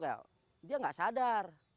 dia tidak sadar